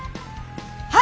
はい！